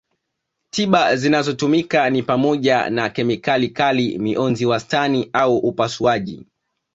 Tiba zinazotumika ni pamoja na kemikali kali mionzi wastani au upasuaji